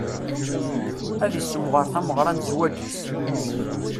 Ad issemɣer tameɣra n zzwaǧ-is.